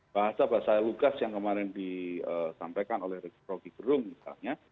bahasa bahasa lukas yang kemarin disampaikan oleh regi progigerung misalnya